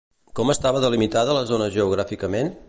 Com estava delimitada la zona geogràficament?